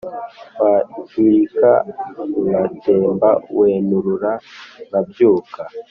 Wahirika ngatemba Wanterura nkabyuka